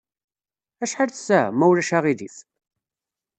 Acḥal ssaɛa, ma ulac aɣilif?